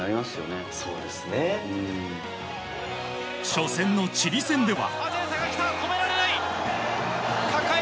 初戦のチリ戦では。